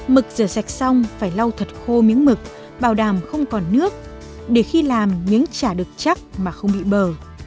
mực rửa sạch xong phải lau thật khô miếng mực bảo đảm không còn nước để khi làm miếng chả được chắc mà không bị bờ